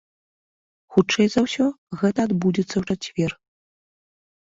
Хутчэй за ўсё, гэта адбудзецца ў чацвер.